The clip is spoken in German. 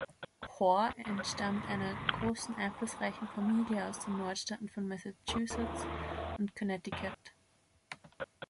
Hoar entstammte einer großen einflussreichen Familie aus den Nordstaaten von Massachusetts und Connecticut.